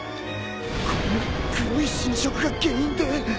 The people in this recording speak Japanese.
これも黒い侵食が原因で？